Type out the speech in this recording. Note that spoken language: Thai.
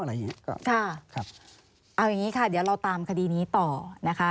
เอาอย่างงี้ครับเดี๋ยวเราตามคดีนี้ต่อนะคะ